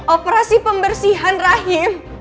operasi pembersihan rahim